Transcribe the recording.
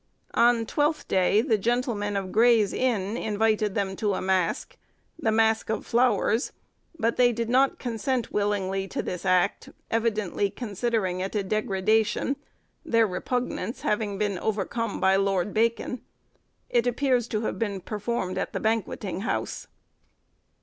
On Twelfth Day the gentlemen of Gray's Inn invited them to a mask—the 'Mask of Flowers'—but they did not consent willingly to this act, evidently considering it a degradation, their repugnance having been overcome by Lord Bacon. It appears to have been performed at the banquetting house.